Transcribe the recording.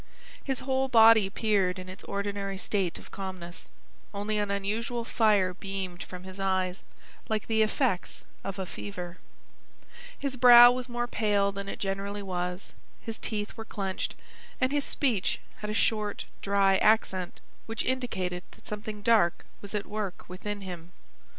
His whole body appeared in its ordinary state of calmness, only an unusual fire beamed from his eyes, like the effects of a fever; his brow was more pale than it generally was; his teeth were clenched, and his speech had a short dry accent which indicated that something dark was at work within him.